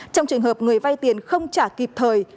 trong trường hợp người vay tiền không trả kịp thời